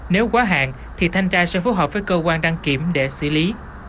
nếu quá hạn thì thanh tra sẽ phối hợp với cơ quan đăng kiểm để xử lý